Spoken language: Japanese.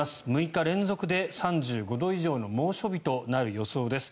６日連続で３５度以上の猛暑日となる予想です。